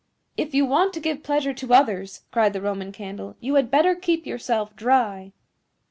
"If you want to give pleasure to others," cried the Roman Candle, "you had better keep yourself dry."